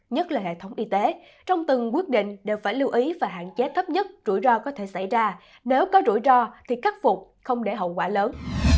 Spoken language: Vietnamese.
nhất là hệ thống y tế trong từng quyết định đều phải lưu ý và hạn chế thấp nhất rủi ro có thể xảy ra nếu có rủi ro thì cắt phục không để hậu quả lớn